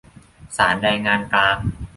ศาลแรงงานกลาง